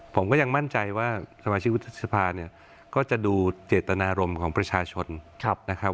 ผมก็ยังมั่นใจว่าสมาชิกวุฒิสภาเนี่ยก็จะดูเจตนารมณ์ของประชาชนนะครับ